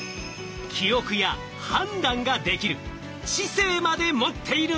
記憶や判断ができる知性まで持っているんです。